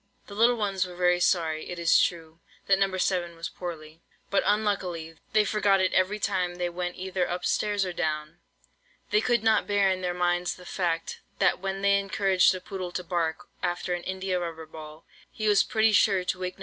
The little ones were very sorry, it is true, that No. 7 was poorly; but, unluckily, they forgot it every time they went either up stairs or down. They could not bear in their minds the fact, that when they encouraged the poodle to bark after an India rubber ball, he was pretty sure to wake No.